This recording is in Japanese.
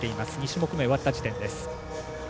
２種目め、終わった時点です。